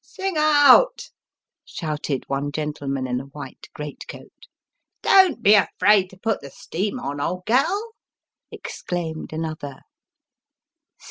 " Sing out " shouted one gentleman in a white great coat. " Don't be afraid to put the steam on, old gal," exclaimed another.